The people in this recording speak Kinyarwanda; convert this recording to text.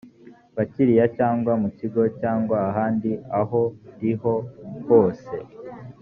bakiriya cyangwa mu kigo cyangwa ahandi ahoriho hose